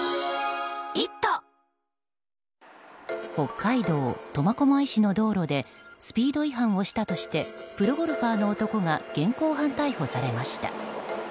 北海道苫小牧市の道路でスピード違反をしたとしてプロゴルファーの男が現行犯逮捕されました。